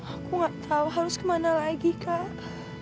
aku nggak tahu harus kemana lagi kak